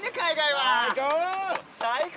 最高！